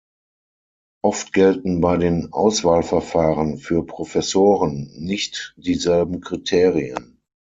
Oft gelten bei den Auswahlverfahren für Professoren nicht dieselben Kriterien.